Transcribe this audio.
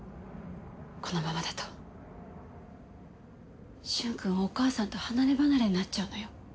このままだと駿君はお母さんと離ればなれになっちゃうのよ。